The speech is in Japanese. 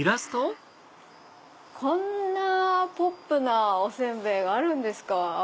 こんなポップなお煎餅があるんですか。